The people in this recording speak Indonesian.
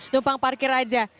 tumpang parkir aja